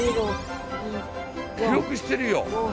記憶してるよ！